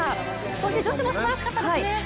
そして、女子もすばらしかったですね。